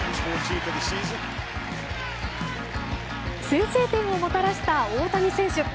先制点をもたらした大谷選手。